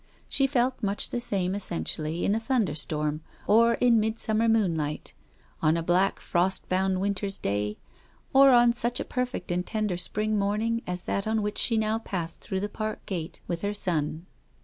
She felt much the same es sentially in a thunderstorm or in midsummer moonlight, on a black, frost bound winter's day, or on such a perfect and tender spring morning as that on which she now passed through the park gate with her son.